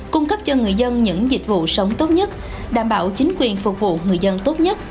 cung cấp cho người dân những dịch vụ sống tốt nhất đảm bảo chính quyền phục vụ người dân tốt nhất